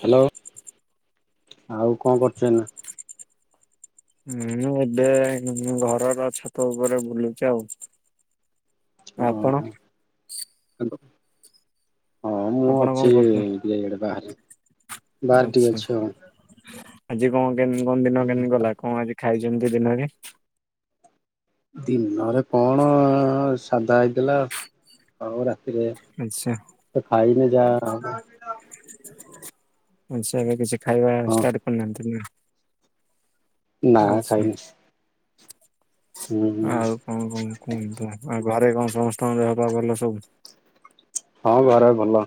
Hello, ଆଉ କଣ କର୍ଚଏନା? ହୁଁ ମୁଁ ଏବେ ଘରର ଛାତ ଉପରେ ବୁଲୁଛି ଆଉ। ଓ ଆପଣ ହୋ [unintelligible] ହଁ ମୁଁ ଆପଣ କଣ ଅଛି କରୁଛନ୍ତି? ଏଇଆଡେ ବାହାରେ, ବାହାରେ ଟିକେ ଆଚ୍ଛା ଅଛି ଆଉ।। ଆଜି କଣ କେ କଣ ଦିନ କେମତି ଗଲା, କଣ ଆଜି ଖାଇଛନ୍ତି ଦିନରେ? ଦିନରେ କଣ ସାଧା ହେଇଥଲା। ଆଉ ରାତିରେ ଆଚ୍ଛା ତ ଖାଇନ ଯାର [unintelligible] କିଛି ଖାଇବା ହଁ ଷ୍ଟାର୍ଟ କରିନାହାନ୍ତି ନା। ନା ଆଚ୍ଛା ଖାଇନି। ହୁଁ ଆଉ। କଣ କଣ କୁହନ୍ତୁ, ଆଉ ଘରେ କଣ ସମସ୍ତଙ୍କ ଦେହ ପା ଭଲ ସବୁ? ହଁ ଘରେ ଭଲ,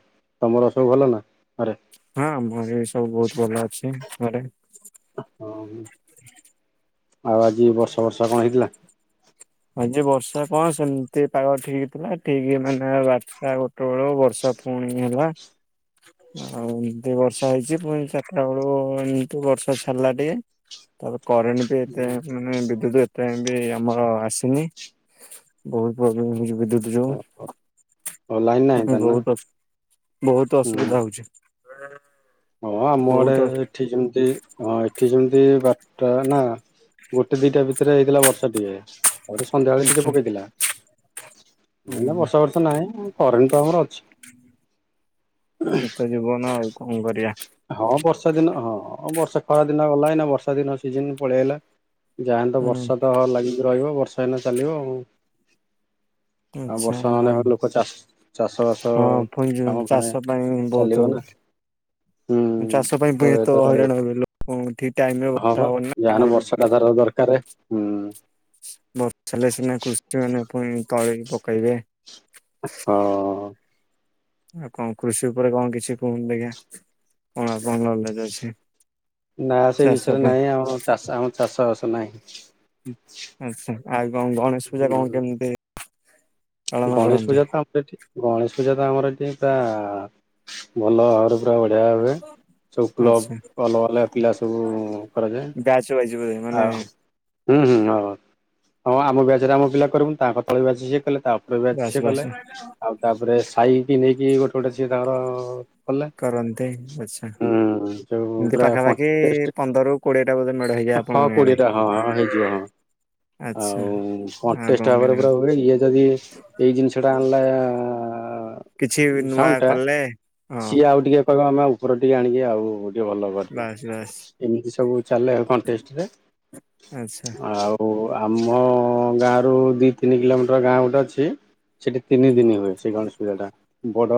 ତମର ସବୁ ଭଲ ନା ଘରେ? ହଁ ମୋର ବି ସବୁ ବହୁତ ଭଲ ଅଛି ଘରେ। ହଁ ଆଉ ଆଜି ବର୍ଷା ଫର୍ଷା କଣ ହେଇଥିଲା? ଆଜି ବର୍ଷା କଣ ସେମିତି ପାଗ ଠିକ୍ ଥିଲା। ଠିକି ମାନେ ବାର ବାରଟା ଗୋଟେ ବେଳକୁ ବର୍ଷା ପୁଣି ହେଲା। ଆଉ ଏମତି ବର୍ଷା ହେଇଛି ପୁଣି ଚାରିଟା ବେଳୁ ଏମତି ବର୍ଷା ଛାଡିଲା ଟିକେ ତାପରେ କରେଣ୍ଟ୍ ବି ଏତେ ମାନେ ବିଦ୍ୟୁତ ଏତେ ବି ଆମର ଆସି ନି ବହୁତ ପ୍ରୋବ୍ଲେମ୍ ହଉଛି ବିଦ୍ୟୁତ୍ ଯୋଉ ଓ ଲାଇନ ନାହିଁ ତାହେଲେ ନା ବହୁତ ଅସୁବି ବହୁତ ହୁଁ। ଅସୁବିଧା ହଉଛି। ହ [inaudible] ହଁ ଆମ ଆଡେ ଏଠି ଯେମିତି ହଁ ଏଠି ଯେମତି ବାଟରେ ନା ଗୋଟେ ଦିଟା ଭିତରେ ହେଇଥିଲା ବର୍ଷା ଟିକେ। ତାପରେ ସନ୍ଧ୍ୟାବେେଳେ ଟିକେ ଆଚ୍ଛା ପକେଇଥିଲା। ଏଇନା ହୁଁ ବର୍ଷା ବର୍ଷା ନାହିଁ କରେଣ୍ଟ ତ ଆମର ଅଛି। ଏତ ଜୀବନ ଆଉ କଣ କରିବା। ହଁ ବର୍ଷା ଦିନ ହଁ ବର୍ଷା ଖରା ଦିନ ଗଲା ଏଇନା ବର୍ଷା ଦିନ ସିଜନ୍ ପଳେଇଆଇଲା। ଯାହାନି ତ ହୁଁ ବର୍ଷା ତ ଲାଗିକି ରହିବ ବର୍ଷା ଏଇନା ଚାଲିବ। ଆଉ ଆଚ୍ଛା ବର୍ଷା ଆଉ ନହେଲେ ଲୋକ ଚାଷ ଚାଷ ବାସ ହଁ ପୁଣି କାମ ଫେଣେ ଚାଷ ପାଇଁ ଚାଲିବ ବହୁତ ନା ହୁଁ ଚାଷ ପାଇଁ ତ ପୁଣିତ ଏତ ଯେତେବେଳେ ହଇରାଣ ହେବ ଲୋକ ଠିକ୍ ଟାଇମ୍ ରେ ହଁ ବର୍ଷା ବା ହବନି ନା ଯାହାହେଲେ ଆମର ବର୍ଷା ଟା ତାର ଦରକାରେ ହୁଁ ବର୍ଷା ହେଲେ ସେମାନେ କୃଷି ମାନେ ପୁଣି ତଳି ପକେଇବେ। ହଁ ଆଉ କଣ କୃଷି ଉପରେ କଣ କିଛି କୁହନ୍ତୁ ଆଜ୍ଞା କଣ ଆପଣଙ୍କ ନଲେଜ୍ ଅଛି। ନା ସେ ଚାଷ ବିଷୟରେ ପାଇଁ ନାହିଁ ଆମର ଆମ ଚାଷ ଚାଷବାସ ନାହିଁ। ଆଚ୍ଛା, ଆଉ କଣ ଗଣେଶ ପୂଜା କଣ ହୁଁ କେମିତି, ପାଳନ ଗଣେଶ କରନ୍ତି? ପୂଜା ତ ଅପଡେଟ୍ ଗଣେଶ ପୂଜା ତ ଆମର ଏଠି ପୁରା ଭଲ ଭାବରେ ପୁରା ବଢ଼ିଆ ହୁଏ ସବୁ କ୍ଲବ୍ ଆଚ୍ଛା ଅଲଗା ଅଲଗା ପିଲା ସବୁ କରାଯାଏ। ବ୍ୟାଚ୍ ୱାଇଜ୍ ବୋଧେ ମାନେ ଆଉ ହୁଁ ହୁଁ ହଁ ହଁ ଆମ ବ୍ୟାଚ୍ ରେ ଆମ ପିଲା କରିବୁ ତାଙ୍କ ତଳ ବ୍ୟାଚ୍ ସିଏ କଲେ ତା ବ୍ୟାଚ୍ ସିଏ କଲେ ଆଉ ତାପରେ ସାହି କିି ନେଇକି ଗୋଟେ ଗୋଟେ ସିଏ ତାଙ୍କର କଲେ କରନ୍ତି ଆଚ୍ଛା। ହୁଁ ଯୋଉ ଏମିତି ପୁରା ପାଖାପାଖି କଣ୍ଟେଷ୍ଟ୍ ପନ୍ଦରରୁ କୋଡିଏ ଟା ବୋଧେ ମେଢ ହେଇଯାଏ ହଁ ଆପଣଙ୍କ ଗାଁରେ? କୋଡିଏ ଟା ହଁ ହଁ ହେଇଯିବ ହଁ। ଆଚ୍ଛା ଆଉ ଆଉ କଣ କଣ୍ଟେଷ୍ଟ୍ ଭାବରେ କେମିତି କଣ ପୁରା ହୁଏ ଇଏ ଯଦି ଏଇ ଜିନିଷଟା ଆଣିଲା କିଛି ନୂଆ ସାଉଣ୍ଡ୍ ଟା କଲେ ହଁ ସିଏ ଆଉ ଟିକେ କହିବ ଆମେ ଉପର ଟିକେ ଆଣିକି ଆଉ ଟିକେ ଭଲ କରିଦବୁ ବାସ୍ ବାସ୍ ଏମିତି ସବୁ ଚାଲେ ଆଉ କଣ। ଟେଷ୍ଟ ରେ ଆଚ୍ଛା ଆଉ ଓ ଆମ ଗାଁ ରୁ ଦିଇ ତିନି କିଲୋମିଟର ଗାଁ ଗୋଟେ ଅଛି ସେଠି ତିନି ହୁଁ ଦିନି ହୁଏ। ସେଇ ଗଣେଶ ପୂଜାଟା ବଡ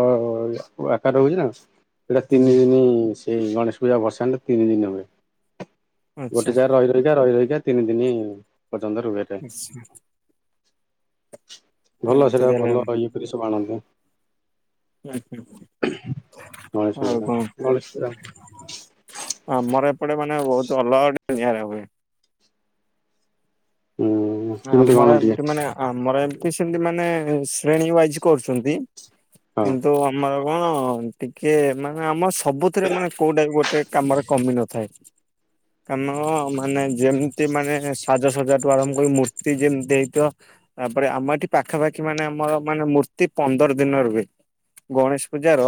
ଆକାର ହଉଛି ନା ସେଟା ତିନି ହୁଁ ଦିନି ଏଇ ଗଣେଶ ପୂଜା ବର୍ଷାଟା ତିନି ଦିନ ହୁଏ। ଆଚ୍ଛା। ଗୋଟେ ଜାଗାରେ ରହି ରହିକା ରହି ରହିକା ତିନି ଦିନ ପର୍ଯ୍ୟନ୍ତ ରୁହେ। ଏଟା ଆଚ୍ଛା। ଭଲ ଏମିତି ସେଇଟା ତାହେଲେ ଭଲ ଆଉ ଇଏ କରି ସବୁ ଆଣନ୍ତି। ହୁଁ ହୁଁ ଗଣେଶ ଆଉ ପୂଜାଟା, କଣ ଗଣେଶ ପୂଜା ଆମର ଏପଟେ ମାନେ ବହୁତ ଅଲଗା ଟିକେ ନିଆରା ହୁଏ। ହୁଁ କେମିତି ଆମର କଣ ଟିକେ ଏମତି ମାନେ ଆମର ଏମତି ସେମତି ମାନେ ଶ୍ରେଣୀ ୱାଇଜ୍ କରୁଚନ୍ତି ହଁ କିନ୍ତୁ ଆମର କଣ ଟିକେ ମାନେ ଆମ ସବୁଥିରେ ମାନେ କୋଉଟା ବି ଗୋଟେ କାମରେ କମି ନଥାଏ। କାମ ମାନେ ଯେମିତି ମାନେ ସାଜସଜାଠୁ ଆରମ୍ଭ କରି ମୂର୍ତ୍ତି ତି ଜିମ୍ ଦେଇତ ତାପରେ ଆମ ଏଠି ପାଖାପାଖି ମାନେ ଆମର ମାନେ ମୂର୍ତ୍ତି ପନ୍ଦର ଦିନ ରୁ ହୁଏ। ଗଣେଶ ପୂଜା ର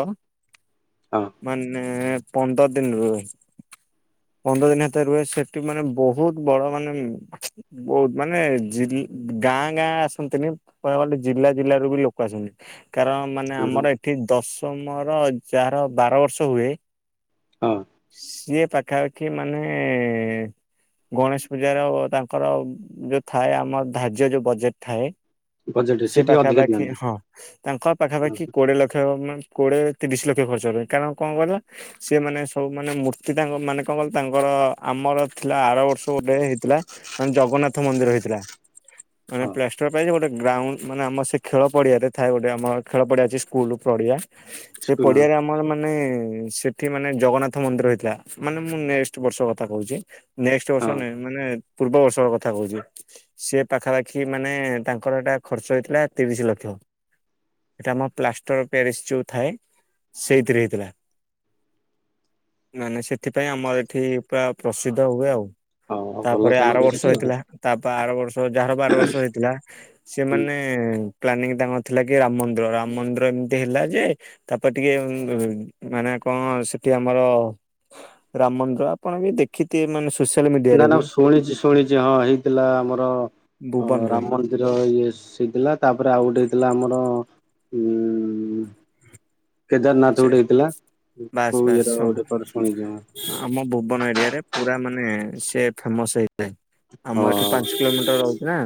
ହଁ ମାନେ ପନ୍ଦର ଦିନ ରୁ ହୁଏ। ପନ୍ଦର ଦିନ ହେତ ରୁହେ ସେଠି ମାନେ ବହୁତ୍ ବଡ ମାନେ [unintelligible] ବହୁତ୍ ମାନେ ଜିଲ୍-ଗାଁ ଗାଁ ଆସନ୍ତିନି ପାପଟେ ଜିଲ୍ଲା ଜିଲ୍ଲାରୁ ବି ଲୋକ ଆସନ୍ତି କାରଣ ମାନେ ଆମର ଏଠି ଦଶମର ଯାହାର ବାର ବର୍ଷ ହୁଏ ହଁ। ସିଏ ପାଖାପାଖି ମାନେ ଗଣେଶ୍ ପୂଜାର ତାଙ୍କର ଯୋଉ ଥାଏ ଆମର ଧାର୍ଯ୍ୟ ଯୋଉ ବଜେଟ୍ ଥାଏ ବଜେଟ ସେ ଟିକେ ଅଧିକା ପାଖାପାଖି ଦିଅନ୍ତି। ହଁ ତାଙ୍କ ହଁ ପାଖାପାଖି କୋଡିଏ ଲକ୍ଷ କୋଡିଏ ତିରିଶ ଲକ୍ଷ ଖର୍ଚ୍ଚ ହୁଏ କାରଣ କଇଲ? ସିଏ ମାନେ ସବୁ ମାନେ ମୂର୍ତ୍ତି ତାଙ୍କ ମାନେ କଣ କିଲ ତାଙ୍କର ଆମର ଥିଲା ଆର ବର୍ଷ ଗୋଟେ ହେଇଥିଲା ଜଗନ୍ନାଥ ମନ୍ଦିର ହେଇଥିଲା ମାନେ ହଁ ପ୍ଲାଷ୍ଟର ପାଇଁ ଗୋଟେ ଗ୍ରାଉଣ୍ଡ ମାନେ ଆମର ସେ ଖେଳ ପଡିଆରେ ଥାଏ ଗୋଟେ ଆମର ଖେଳ ପଡିଆ ଅଛି ସ୍କୁଲ ପଡିଆ ସେ ସ୍କୁଲ ପଡିଆରେ ଆମର ମାନେ ସେଠି ମାନେ ଜଗନ୍ନାଥ ମନ୍ଦିର ହେଇଥିଲା ମାନେ ମୁଁ ନେକ୍ସଟ ବର୍ଷ କଥା କହୁଚି ନେକ୍ସଟ୍ ବର୍ଷ ହଁ ନେ ମାନେ ପୂର୍ବ ବର୍ଷ କଥା କହୁଚି ସେ ପାଖାପାଖି ମାନେ ତାଙ୍କର ଏଟା ଖର୍ଚ୍ଚ ହେଇଥିଲା ତିରିଶ ଲକ୍ଷ। ଏଟା ଆମ ପ୍ଲାଷ୍ଟର ପ୍ୟାରିସ୍ ଯୋଉ ଥାଏ ସେଇଥିରେ ହେଇଥିଲା। ମାନେ ସେଥିପାଇଁ ଆମର ଏଠି ପୁରା ପ୍ରସିଦ୍ଧ ହୁଏ ଆଉ। ହଁ ଭଲ ତାପରେ ତ ନବ ଆର ବର୍ଷ ସେଠି ଆଉ ହେଇଥିଲା ତାପ ଆର ବର୍ଷ ଯାହାର ବା ବାର ବର୍ଷ ହେଇଥିଲା ହୁଁ। ସେମାନେ ପ୍ଲାନିଂ ତାଙ୍କର ଥିଲା କି ରାମ ମନ୍ଦିର ରାମ ମନ୍ଦିର ଏମିତି ହେଲା ଯେ ତାପରେ ଟିକେ [unintelligible] ମାନେ କଣ ସେଠି ଆମର ରାମ ମନ୍ଦିର ଆପଣ ବି ଦେଖିଥେ ମାନେ ସୁ ନା ନା ମୁଁ ଶୁଣିଚି ଶୁଣିଚି ହଁ ହେଇଥିଲା ଆମର ଅ ଭୁବନରେ। ରାମ ମନ୍ଦି ଇଏ ହେଇଥିଲା ତାପରେ ଆଉ ଗୋଟେ ହେଇଥିଲା ଆମର ଉ [inaudible] କେଦାରନାଥ୍ ସେ ଗୋଟେ ହେଇଥିଲା ବାସ୍ କୋଉ ବାସ୍ ଇଏର ସବୁ ଗୋଟେର ଶୁଣଚି ମୁଁ ଆମ ଭୁବନ ଏରିଆ ରେ ପୁରା ମାନେ ସେ ଫେମସ ହେଇଚି। ହଁ ଆମ ଏଠୁ ପାଞ୍ଚ କିଲୋମିଟର [unintelligible] ନା।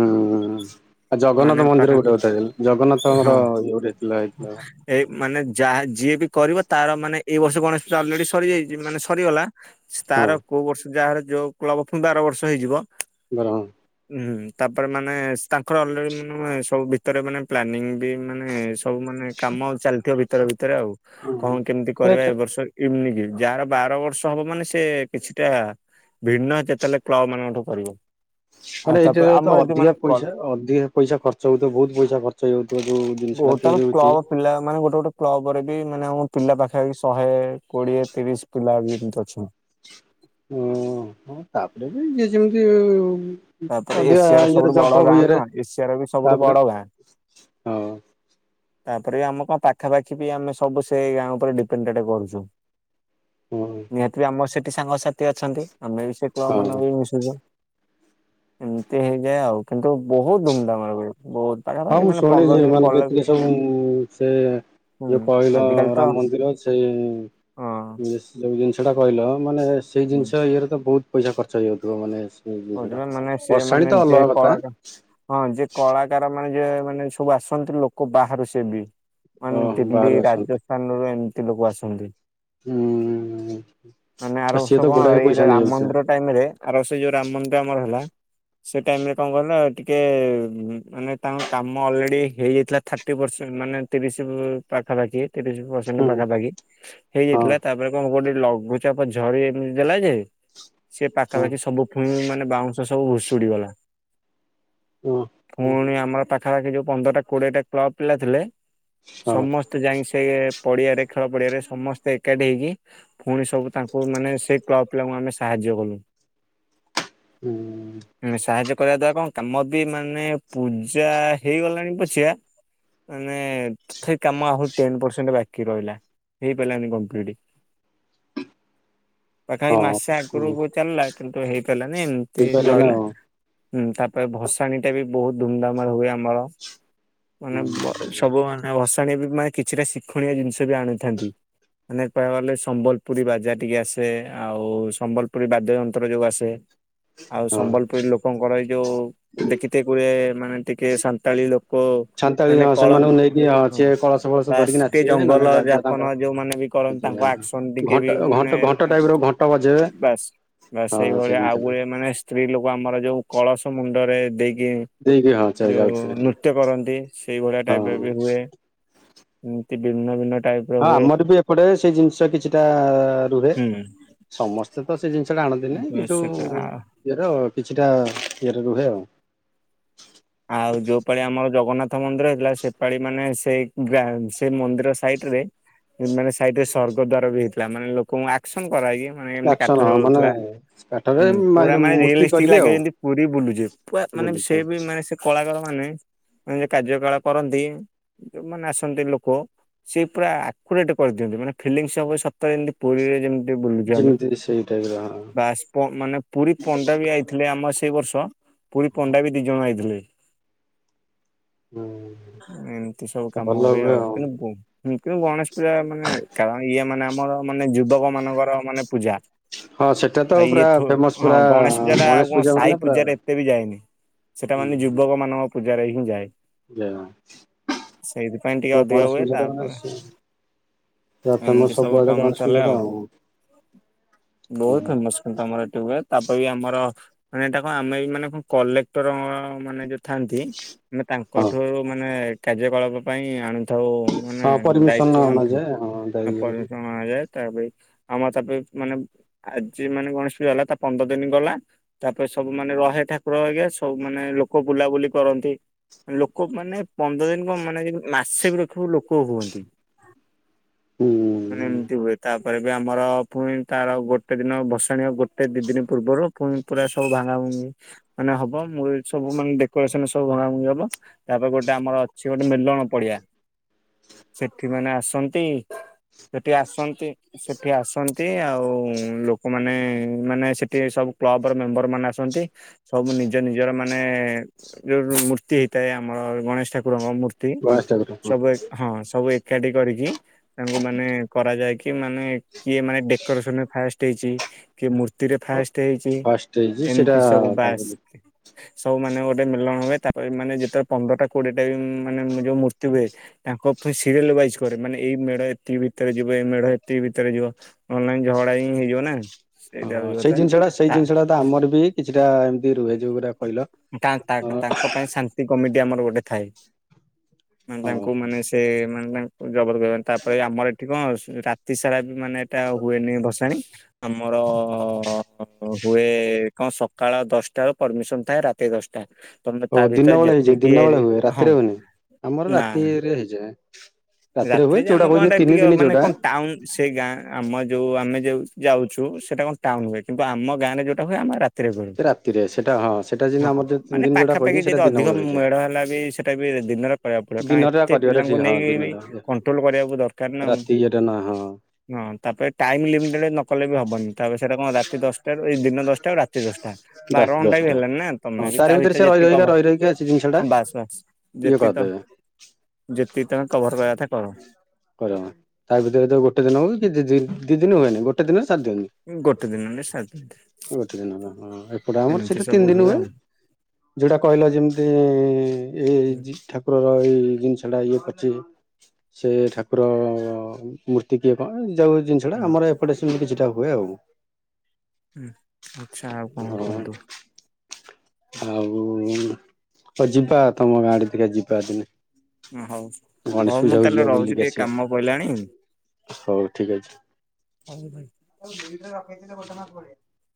ହୁଁ ଆଉ ମାନେ ଜଗନ୍ନାଥ ମନ୍ଦିର ପାଖା ଗୋଟେ କଥାଥିଲା ଜଗନ୍ନାଥ ହଁ। ଆମର ଇଏ ଗୋଟେ ଥିଲା ଏଇଥିଲା ଏ ମାନେ ଯାହା ଯିଏ ବି କରିବ ତାର ମାନେ ଏଇ ବର୍ଷ ଗଣେଶ୍ ପୁଜା ଅଲରେଡି ସର୍ ସରିଯାଇଚି ମାନେ ସରିଗଲା ହଁ ତାର କୋଉ ବର୍ଷ ଯାହାର ଯୋଉ କ୍ଲବ ଫୁଣି ବାର ବର୍ଷ ହେଇଯିବ [unintelligible] ହୁଁ ତାପରେ ମାନେ ସ୍ ତାଙ୍କ୍ [unintelligible] ନୁହେଁ ସବୁ ଭିତରେ ମାନେ ପ୍ଲାନିଂ ବି ମାନେ ସବୁ ମାନେ କାମ ଚାଲିଥିବ ଭିତରେ ଭିତରେ ଆଉ। ହଁ କଣ କେମିତି କରିବା ଏ ହଁ ବର୍ଷ [unintelligible] ଯାହାର ବାର ବର୍ଷ ହବ ମାନେ ସେ କିଛିଟା ଭିନ୍ନ ଯେତେବେଲେ କ୍ଳ ମାନଙ୍କଠୁ କରିବ। ଆଉ ମାନେ ଏଇଟ ତାପରେ ତ ଆମର ଏଠି ଅଧିକା ମାନେ କ ପଇସା ଅଧିକା ପଇସା ଖର୍ଚ୍ଚ ହଉଥିବ ବହୁତ ପଇସା ଖର୍ଚ୍ଚ ହେଇଯାଉଥିବ ଯୋଉ ଓ ଜିନିଷଟା ତାର ତିଆରି ହଉଛି କ୍ଲବ ପିଲା ମାନେ ଗୋଟେ ଗୋଟେ କ୍ଲବରେ ବି ମାନେ ଆମ ପିଲା ପାଖାପାଖି ଶହେ କୋଡିଏ ତିରିଶ୍ ପିଲା ବି ଏମିତି ବି ଅଛନ୍ତି। ଓ ତାପରେ ବି ଯିଏ ଯେମିତି ତାପରେ ଅଧିକ ଏସିଆର ସବୁଠୁ ଇଏରେ ଜପ ବଡ ଫପ ଗାଁ ନା ଇଏରେ ଏସିଆର ବି ସବୁଠୁ ତାପରେ ବଡ ଗାଁ ହଁ ତାପରେ ବି ଆମ କଣ ପାଖାପାଖି ବି ଆମେ ସବୁ ସେ ଗାଁ ଉପରେ ଡିପେଣ୍ଡେଡ୍ କରୁଛୁ। ହଁ ନିହାତି ବି ଆମର ସେଠି ସାଙ୍ଗସାଥି ଅଛନ୍ତି ଆମେ ବି ସେ କ୍ଳବ ମାନଙ୍କ ହଁ ବି ମିଶୁଛୁ। ଏମିତି ହେଇଯାଏ ଆଉ କିନ୍ତୁ ବହୁତ ଧୁମଧାମରେ ହୁଏ। ବହୁତ ପାଖାପାଖି ମାନେ ପନ୍ଦର ଦିନ ପଲେ ଯୋଉ ସେ ଯୋଉ କହିଲ ଆଜିକାଲି ତ ରାମ ମନ୍ଦିର ଅଛି। ହଁ ସେ ଯେଉଁ ଜିନିଷଟା କହିଲ ମାନେ ସେଇ ହୁଁ ଜିନିଷ ଇଏରେ ତ ବହୁତ ପଇସା ଖର୍ଚ୍ଚ ହେଇଯାଉଥିବ ମାନେ ସେଇ ଜିନିଷ ଟା କହୁଥିବ ମାନେ ସିଏ ବର୍ଷାଣି ମାନେ ତ ଯିଏ ଅଲଗା କଥା କଳା ହଁ ଯି କଳା ତାର ମାନେ ଯିଏ ମାନେ ସବୁ ଆସନ୍ତି ଲୋକ ବାହାରୁ ସେ ବି ମାନେ ଓହୋ ଦିଲ୍ଲୀ ବାହାରୁ ଆସନ୍ତି ରାଜସ୍ଥାନ ସ୍ଥାନରୁ ଏମିତି ଲୋକ ଆସନ୍ତି। ହୁଁ ମାନେ ଆ ଆର ସିଏ ବର୍ଷ ତ କଣ ଗୋଡାଏ ଏଇ ପଇସା ରାମ ନେଇଯାଉଥିବେ ମନ୍ଦିର ଟାଇମ ରେ ଆର ବର୍ଷ ଯୋଉ ରାମ ମନ୍ଦିର ଆମର ହେଲା ସେ ଟାଇମ ରେ କଣ କହିଲ ଟିକେ ହଁ ମାନେ ତାଙ୍କ କାମ ଅଲରେଡି ହେଇଯାଇଥିଲା ଥାର୍ଟି ପରସେଣ୍ଟ ମାନେ ତିରିଶ ପାଖାପାଖି ତିରିଶ ପରସେଣ୍ଟ ହୁଁ ପାଖାପାଖି ହଁ ହେଇଯାଇଥିଲା ତାପରେ କଣ ଗୋଟେ ଲଘୁଚାପ ଝରି ଏମିତି ଦେଲା ଯେ ସିଏ ହଁ ହଁ ପାଖାପାଖି ସବୁ ପୁଉଁ ମାନେ ବାଉଁଶ ସବୁ ଭୁଷୁଡି ଗଲା। ହଁ ପୁଣି ଆମର ପା ପାଖାପାଖି ଯୋଉ ପନ୍ଦରଟା କୋଡିଏଟା କ୍ଲବ ପିଲା ଥିଲେ ହଁ ସମସ୍ତେ ସ୍ତେ ଯାଇକି ସେ ପଡିଆରେ ଖେଳ ପଡିଆରେ ସମସ୍ତେ ଏକାଠି ହେଇକି ପୁଣି ସବୁ ତାଙ୍କୁ କୁ ମାନେ ସେ କ୍ଲବ ପିଲାଙ୍କୁ ଆମେ ସାହାଯ୍ୟ କଲୁ। ହୁଁ। ସାହାଯ୍ୟ କରିବା ଦ୍ଵାରା କଣ କାମ ବି ମାନେ ପୂଜା ହେଇଗଲାଣି ପଛିକା ମାନେ ତଥାପି କାମ ଆହୁରି ଟେନ୍ ପରସେଣ୍ଟ ବାକି ରହିଲା। ହେଇପାରିଲାନି କମ୍ପ୍ଲିଟ। ପାଖାପାଖି ହଁ ମାସେ ହଁ। ଆଗରୁ ଚାଲିଲା କିନ୍ତୁ ହେଇପାରିଲାନି ଏମିତି ହେଇପାରିଲା ନା ରହିଲା। ହୁଁ ତାପରେ ଭସାଣି ଟା ବି ବହୁତ ଧୁମଧାମରେ ହୁଏ ଆମର। ମାନେ ଆଉ ସବୁ ମାନେ ଭସାଣି ମାନେ କିଛିଟା ଶିକ୍ଷଣୀୟ ଜିନିଷ ବି ଆଣିଥାନ୍ତି। ମାନେ କହିବାକୁ ଗଲେ ସମ୍ବଲପୁରୀ ବାଜା ଟିକେ ଆସେ ଆଉ ସମ୍ବଲପୁରୀ ବାଦ୍ୟ ଯନ୍ତ୍ର ଯୋଉ ଆସେ। ଆଉ ହଁ ସମ୍ବଲପୁରୀ ଲୋକଙ୍କର ଏଇ ଯୋଉ ଦେଖିଥେବେ କୁ [unintelligible] ମାନେ ଟିକେ ସାନ୍ତାଳୀ ଲୋକ କ ଛାନ୍ତାଳି ମାନେ ହଁ କଳ ସେମାନଙ୍କୁ ନେଇକି ହଁ ହ ସିଏ କଳସ ଫଳସ ଧରିକି ବାସ୍ତି ନାଚିବେ ନହେଲେ ଜଙ୍ଗଲ ବାଜା ତାଙ୍କ ଯାପନ ଯୋଉମାନେ ବି କରନ୍ତି ତାଙ୍କ ବଜେଇବେ ହଁ। ଆକ୍ସନ ଟିକେ ଘଣ୍ଟ ବି ଘଣ୍ଟ ମାନେ ଘଣ୍ଟ ଟାଇପ ର ଘଣ୍ଟ ବଜେଇବେ ବାସ୍ ବାସ୍ ହଁ ସେଇ ସେଇଭଳିଆ ଜିନିଷ ଆଉ ଟା ଉଏ ମାନେ ସ୍ତ୍ରୀ ଲୋକ ଆମର ଯୋଉ କଳସ ମୁଣ୍ଡରେ ଦେଇକି ଦେଇକି ହଁ ଚା ଯୋଉ ଯାଉଥିବେ ହଁ। ନୃତ୍ୟ କରନ୍ତି। ସେଇ ଭଳିଆ ହଁ ଟାଇପ ରେ ବି ହୁଏ। ଏମିତି ଭିନ୍ନ ଭିନ୍ନ ଟାଇପ ହଁ ଆମର ବି ଏପଟେ ସେଇ ଜିନିଷ କିଛିଟା ରୁହେ। ହୁଁ ସମସ୍ତେ ତ ସେ ଜିନିଷ ଟା ଆଣନ୍ତି ନାହିଁ କି ସେଟା ଯୋଉ ଇଏର କିଛିଟା ଇଏରେ ରୁହେ ଆଉ। ଆଉ ଯୋଉପାଳି ଆମର ଜଗନ୍ନାଥ ମନ୍ଦିର ହେଇଥିଲା ସେପାଳି ମାନେ ସେଇ ଗ ସେ ମନ୍ଦିର ସାଇଟ ରେ ପିମେଲେ ସାଇଡ୍ ରେ ସ୍ଵର୍ଗଦ୍ୱାର ବି ହେଇଥିଲା ମାନେ ଲୋକଙ୍କୁ ଆକ୍ସନ କରାହେଇକି ମାନେ ଏମତି କାଠ ଆକ୍ସନ ହଁ ମାନେ ଜଳୁଥିଲା କାଠରେ ମା ପୁରା ମାନେ ମୂର୍ତ୍ତି ରିୟଲି ଦେଖିକି କରିକି ଲାଗିବ ଆଉ ଯେମିତି ପୁରୀ ବୁଲୁଛୁ। ପୁରା ମାନେ ସେ ବୁଲୁଛୁ। ବି ମାନେ ସେ କଳାକାର ମାନେ କାର୍ଯ୍ୟ କଳା କରନ୍ତି। ଯୋଉମାନେ ଆସନ୍ତି ଲୋକ ସେ ପୁରା ଆକୁରେଟ କରିଦିଅନ୍ତି। ମାନେ ଫିଲିଙ୍ଗସ୍ ହବ ସତରେ ଯେମିତି ପୁରୀରେ ଯେମତି ବୁଲୁଛୁ ଆମେ। ଯେମିତି ସେଇ ଟାଇପ ର ହଁ। ବାସ୍ ମାନେ ପୁରୀ ପଣ୍ଡା ବି ଆଇ ଥିଲେ ଆମ ସେଇ ବର୍ଷ ପୁରୀ ପଣ୍ଡା ବି ଦି ଜଣ ଆଇଥିଲେ। ହୁଁ ଏମିତି ସବୁ କାମ ହୁଏ ଆଉ କିନ୍ତୁ ବ କିନ୍ତୁ ଗଣେଶ ପୂଜା ମାନେ କାରଣ ଇଏ ମାନେ ଆମର ମାନେ ଯୁବକ ମାନଙ୍କର ମାନେ ପୂଜା ହଁ ସେଟା ତ ଆ ପୁରା ଇଏ ଥୋ ଫେମସ ହଁ ପୁରା ଗଣେଶ ପୂଜାଟା ଆଉ କଁ ପୂଜା ମାନେ ସାଇ ପୁରା ପୂଜାରେ ଏତେ ବି ଯାଏନି ସେଟା ମାନେ ଯୁବକ ମାନଙ୍କ ପୂଜାରେ ହିଁ ଯାଏ। ଯେ ସେଇଥିପାଇଁ ଟିକେ ତ ଅଧିକ ଗଣେଶ ହୁଏ ପୂଜା ଟା ମାନେ ତାପରେ ପୁରା ଫେମସ ଏମିତି ସବୁ ସବୁଆଡେ କାମ ଗଣେଶ ପୂଜା ଚାଲେ ଟା ଆଉ। ବହୁତ ଫେମସ କିନ୍ତୁ ଆମର ଏଠି ହୁଏ ତାପରେ ବି ଆମର ମାନେ ଏଟା କଁ ଆମେ ବି ମାନେ କଁ କଲେକ୍ଟର ମାନେ ଯୋଉ ଥାନ୍ତି ଆମେ ହଁ ତାଙ୍କଠୁ ମାନେ କାର୍ଯ୍ୟକଳାପ ପାଇଁ ଆଣୁ ଆଉ ମାନେ ହଁ ପରମିସନ ଦାୟିତ୍ବ ଆଣିଥାଉ ନଯାଏ ହଁ ଯାଇ ଆ ଇଏ କରିକି ପରିମିସନ ଅଣାଯାଏ ତାପାଇଁ ଆମର ତାପରେ ମାନେ ଆଜି ମାନେ ଗଣେଶ ପୂଜା ହେଲା ତା ପନ୍ଦର ଦିନ ଗଲା ତାପରେ ସବୁ ମାନେ ରହେ ଠାକୁର ହେରିକା ସବୁ ମାନେ ଲୋକ ବୁଲାବୁଲି କରନ୍ତି। ଲୋକ ମାନେ ପନ୍ଦର ଦିନ କଁ ମାନେ ଯଦି ମାସେ ବି ରଖିବ ଲୋକ ହୁଅନ୍ତି। ହୁଁ ମାନେ ଏମିତି ହୁଏ ତା ପରେ ବି ଆମର ପୁଣି ତାର ଆଉ ଗୋଟେ ଦିନ ଭସାଣିହବା ଗୋଟେ ଦି ଦିନି ପୂର୍ବରୁ ପୁଣି ପୁରା ସବୁ ଭାଙ୍ଗା ଭଙ୍ଗି ମାନେ ହବ ମୂଳ ସବୁ ମାନେ ଡେକୋରେସନ ସବୁ ଭଙ୍ଗା ଭଙ୍ଗି ହବ ତାପରେ ଗୋଟେ ଆମର ଅଛି ଗୋଟେ ମେଲଣ ପଡିଆ ସେଠି ମାନେ ଆସନ୍ତି ସେଠି ଆସନ୍ତି ସେଠି ଆସନ୍ତି ଆଉ ଲୋକମାନେ ମାନେ ସେଠି ସବୁ କ୍ଲବର ମେମ୍ବର ମାନେ ଆସନ୍ତି ସବୁ ନିଜ ନିଜର ମାନେ ଯୋଉ ମୂ ମୂର୍ତ୍ତି ହେଇଥାଏ ଆମର ଗଣେଶ ଠାକୁରଙ୍କ ମୂ ର୍ତ୍ତି ଗଣେଶ ଠାକୁର ହଁ। ସବୁ ଏ ହଁ ସବୁ ଏକାଠି କରିକି ତାଙ୍କୁ ମାନେ କରାଯାଏ କି ମାନେ କିଏ ମାନେ ଡେକୋରେସନରେ ଫାଷ୍ଟ ହେଇଚି କିଏ ମୂର୍ତ୍ତିରେ ଫାଷ୍ଟ ହେଇଚି ଫାଷ୍ଟ ହେଇଛି ସେଇଟା ଏମତି ସବୁ ବାସ୍ ତାପରେ ସବୁ ମାନେ ଗୋଟେ ମଲେଣ ହୁଏ ତାପରେ ମାନେ ଯେତେବେଳେ ପନ୍ଦରଟା କୋଡିଏଟା ମାନେ ଯୋଉ ମୂର୍ତ୍ତି ହୁଏ ତାଙ୍କ [unintelligible] ସିରିଏଲ ୱାଇଜ୍ କରେ ମାନେ ଏଇ ମେଢ ଏତିକି ଭିତରେ ଯିବ ଏଇ ମେଢ ଏତିକି ଭିତରେ ଯିବ ନହେଲେ ନାଇଁ ଝଗଡା ହିଁ ହେଇଯିବ ନା ହଁ ସେଇଟା ହଉଚି ସେଇ କଥା। ଜିନିଷଟା ସେଇ ତା ଜିନିଷଟା ତ ଆମର ବି କିଛିଟା ଏମିତି ରୁହେ ଯୋଉଗୁରା କହିଲ ଉଁ ତା ତା ତା ହଁ ତାଙ୍କ ପାଇଁ ଶାନ୍ତି କମିଟି ଆମର ଗୋଟେ ଥାଏ। ମାନେ ତାଙ୍କୁ ମାନେ ସେ ମାନେ ତା ଜବତ କରିବା ତାପରେ ଆମର ଏଠି କଁ ଶ୍ ରାତି ସାରା ବି ମାନେ ଏଟା ହୁଏନି ଭସାଣି ଆମର ହୁଏ କଁ ସକାଳ ଦଶଟାରୁ ପରମିସନ ଥାଏ ରା ତି ଦଶଟା ତମେ ଓ ତା ଦିନ ଭିତରେ ବେଳେ ହେଇଯାଏ ଯେତିକି ଦିନ ଏରି ବେଳେ ହୁଏ ହଁ ରାତିରେ ହୁଏନି। ଆମର ନା [unintelligible] ହେଇଯାଏ ହୁଏ ରାତିରେ ଯେ ଯୋଉଟା ଆମ କଁ କହୁଛନ୍ତି ଏଟା ତିନି ଟିକେ ଦିନି ମାନେ ଯୋଉଟା କଁ ଟା ଉନ ସେ ଗାଁ ଆମ ଯଉ ଆମେ ଯେଉ ଯାଉଛୁ ସେଟା କଁ ଟାଉନ ହୁଏ କିନ୍ତୁ ଆମ ଗାଁରେ ଯଉଟା ହୁଏ ଆମ ରା ତିରେ କରୁ ସେ ରାତିରେ ସେଟା ହଁ ସେଟା ହଁ ଯେମିତି ହଁ ଆମର ଯୋଉ ତିନି ମାନେ ଦିନ ଯୋଉଟା କହିନି ପାଖାପାଖି ସେଟା ଯଦି ଦିନ ଅଧିକ ବେଳୁ ହେଇଯାଏ। ମେଢ ହେଲା ବି ସେ ଟା ବି ଦିନରେ କରିବାକୁ ପଡିବ କାଣ ଦିନଟା ଏତେ କରିବାଟା ପିଲାଙ୍କୁ ଠିକ ହଁ ନେଇକି ବି ଦିନଟା କଣ୍ଟ୍ରୋଲ କରିବାକୁ ଦରକାର ନା ଆଉ। ରାତି ଇଏଟା ନା ହଁ ହଁ ତାପରେ ଟାଇମ ଲିମିଟେଡ ନକଲେ ବି ହବନି ତାପରେ ସେଟା କଁ ରାତି ଦଶଟାରୁ ଏ ଦିନ ଦଶ ଟାରୁ ରାତି ଦଶଟା ବାର ଦଶ ଘଣ୍ଟା ବି ଦଶଟା। ହେଲାଣିି ନା ତମେ ହଁ ବି ତା ତାରି ଭିତରେ ସେ ରହି ଯେତିକି ରହିକା କଭର ରହି ରହିକା ସେ ଜିନିଷ ଟା ହଁ ବାସ୍ ବାସ୍ ଇଏ ଯେତିକି ତ କରିଦେବେ ଯେତିକି ତମେ କଭର କରିବା କଥା କର। କର ତା ଭିତରେ ତ ଗୋଟେ ଦିନ ହଉ କି ଦିଦିଦି ଦିଦୀନି ହୁଏନି ଗୋଟେ ଦିନରେ ସାରି ଦିଅନ୍ତି। ଗୋଟେ ଦିନରେ ସାରିଦିଅନ୍ତି। ଗୋଟେ ଦିନ ହେଲା ହଁ ଏପଟ ଆମର ସେଇଠା ସବୁ ତିନି ଦିନ ହୁଏ। ଆଉ। ଯୋଉଟା କହିଲ ଯେମିତି ଏଇ ହୁଁ ଜି ଠାକୁର ଏଇ ଜିନଷ ଟା ଇଏ କରିଛି। ସେ ଠାକୁର ମୂର୍ତ୍ତି କିଏ କଣ ଯେଉଁ ଜିନିଷଟା ହୁଁ ଆମର ଏପଟେ ସେମିତି କିଛିଟା ହୁଏ ଆଉ। ହୁଁ ଆଛା ଆଉ କଣ ହଁ କୁହନ୍ତୁ? ଆଉ ଯିବା ତମ ଗାଁ ଆଡେ ଟିକେ ଯିବା ଦିନେ। ହଉ ଗଣେଶ ହଉ ମୁଁ ପୂଜାକୁ ଯିବା ତାହେଲେ ବୁଲିକି ରହୁଛି ଟିକେ ଆସିବା କାମ ପଇଲାଣି। ହଉ ଠିକ୍ ହଉ ଭାଇ। ଅଛି [inaudible]